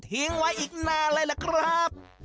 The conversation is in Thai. ทิ้งไว้อีกนานเลยล่ะครับ